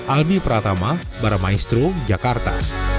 albi pratama baramaestro jakarta